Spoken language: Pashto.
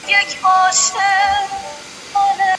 چې له هغو نه دعامو خلكو دسوكالۍ او هوسايۍ پروګرامونه تقويه كيږي